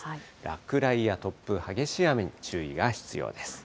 落雷や突風、激しい雨に注意が必要です。